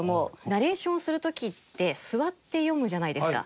ナレーションする時って座って読むじゃないですか。